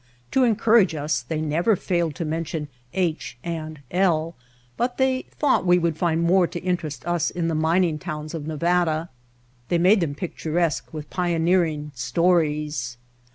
To encourage us they never failed to mention H. and L., but they thought we would find more to interest us in the mining towns of Nevada. They made them picturesque with pioneering stories.